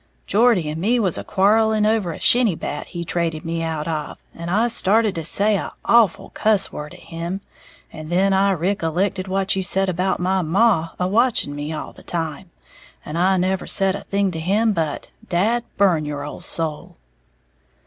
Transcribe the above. "Geordie and me was a quarling over a shinny bat he traded me out of, and I started to say a' awful cuss word at him, and then I ricollected what you said about my maw a watching me all the time, and I never said a thing to him but 'Dad burn your ole soul!'"